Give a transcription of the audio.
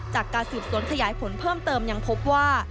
จากการสืบสวนขยายผลเพิ่มเติมยังพบว่า